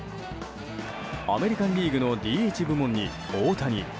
アメリカン・リーグのＤＨ部門に大谷